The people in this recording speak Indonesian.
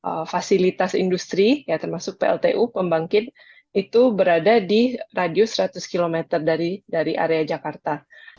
jadi satu ratus enam puluh enam fasilitas industri ya termasuk p l t u pembangkit itu berada di radius seratus km dari area jakarta